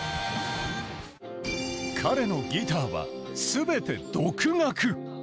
彼のギターは全て独学。